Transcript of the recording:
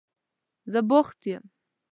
زه بوخت یم.